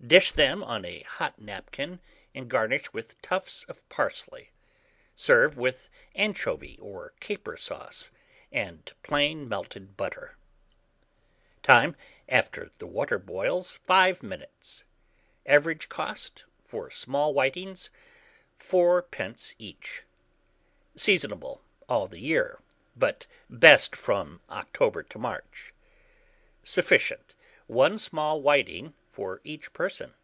Dish them on a hot napkin, and garnish with tufts of parsley. Serve with anchovy or caper sauce, and plain melted butter. Time. After the water boils, 5 minutes. Average cost for small whitings, 4d. each. Seasonable all the year, but best from October to March. Sufficient, 1 small whiting for each person.